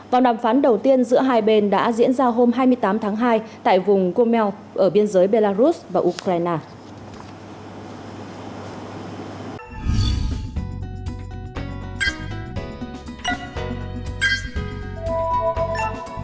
vòng đàm phán đầu tiên giữa hai bên đã diễn ra hôm hai mươi tám tháng hai tại vùng commel ở biên giới belarus và ukraine